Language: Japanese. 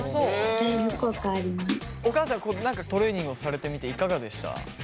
お母さんトレーニングをされてみていかがでした？